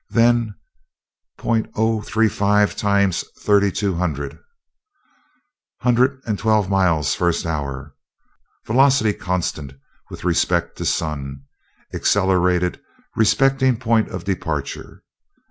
Then point oh three five times thirty two hundred. Hundred and twelve miles first hour. Velocity constant with respect to sun, accelerated respecting point of departure.